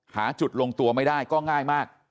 หาจุดลงตัวไม่ได้ก็ง่ายมาก